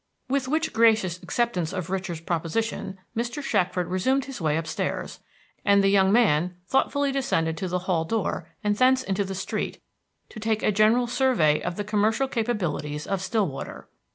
With which gracious acceptance of Richard's proposition, Mr. Shackford resumed his way upstairs, and the young man thoughtfully descended to the hall door and thence into the street, to take a general survey of the commercial capabilities of Stillwater.